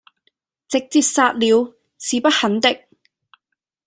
直捷殺了，是不肯的，